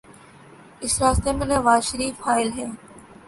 اس راستے میں نوازشریف حائل ہیں۔